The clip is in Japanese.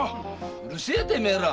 うるせえてめえら。